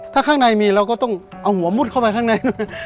ถ้าข้างในมีเราก็ต้องเอาหัวมุดเข้าไปข้างใน